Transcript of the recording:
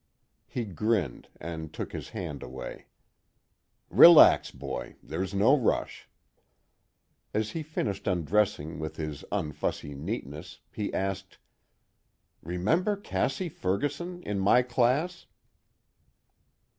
He grinned and took his hand away. "Relax, boy. There's no rush." As he finished undressing with his unfussy neatness, he asked: "Remember Cassie Ferguson, in my class?"